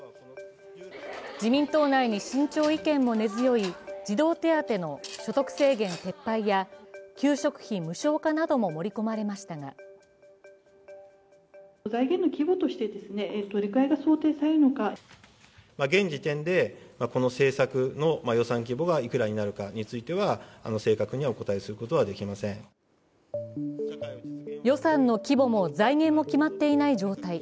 自民党内に慎重意見も根強い児童手当の所得制限撤廃や給食費無償化なども盛り込まれましたが予算の規模も財源も決まっていない状態。